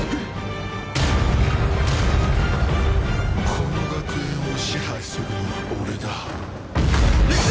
この学園を支配するのは俺だ。いくぞ！